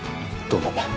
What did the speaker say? どうも。